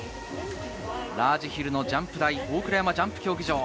ラージヒルのジャンプ台・大倉山ジャンプ競技場。